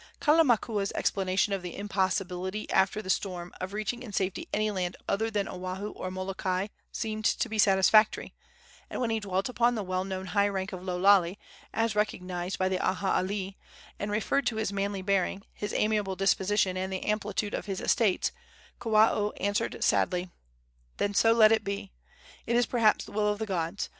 Kalamakua's explanation of the impossibility, after the storm, of reaching in safety any land other than Oahu or Molokai, seemed to be satisfactory; and when he dwelt upon the well known high rank of Lo Lale, as recognized by the aha alii, and referred to his manly bearing, his amiable disposition and the amplitude of his estates, Kawao answered sadly: "Then so let it be. It is perhaps the will of the gods.